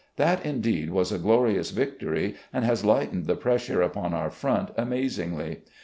That indeed was a glorious victory and has lightened the pressure upon our front amazingly.